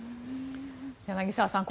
柳澤さん